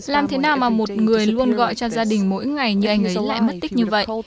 làm thế nào mà một người luôn gọi cho gia đình mỗi ngày như anh ấy lại mất tích như vậy